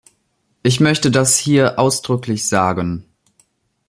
Ich möchte das hier ausdrücklich sagen.